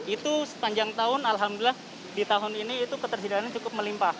itu sepanjang tahun alhamdulillah di tahun ini itu ketersediaannya cukup melimpah